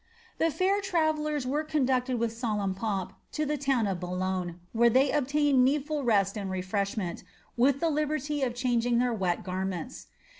The fair travellers were conducted with solemn pomp to the ton Boulogne, where thev obtained needful rest and refreshment, witl liberty of changing their wet garments.